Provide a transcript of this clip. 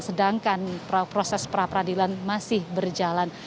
sedangkan proses perapradilan masih berjalan